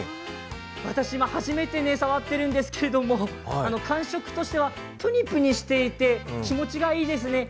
私、今初めて触っているんですけど感触としては、ぷにぷにしていて気持ちがいいです。